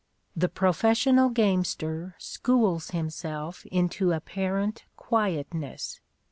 The professional gamester schools himself into apparent quietness.